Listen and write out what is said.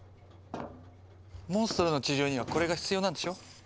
モンストロの治療にはこれが必要なんでしょ。